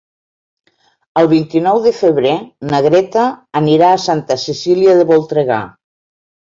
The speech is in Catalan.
El vint-i-nou de febrer na Greta anirà a Santa Cecília de Voltregà.